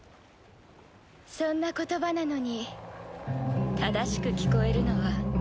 そんな言葉なのに正しく聞こえるのは。